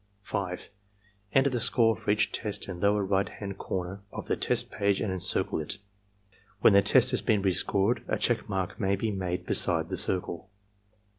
5. Enter the score for each test in lower right hand comer of EXAMINER'S GUIDE 67 the test page and encircle it. When the test has been re scored, a check mark may be made beside the drcle.